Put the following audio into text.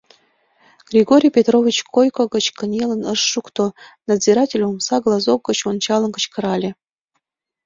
Григорий Петрович койко гыч кынелын ыш шукто — надзиратель, омса глазок гыч ончалын, кычкырале: